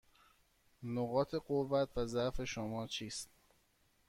نقاط قوت و ضعف شما چیست؟